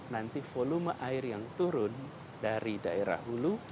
nanti volume air yang turun dari daerah hulu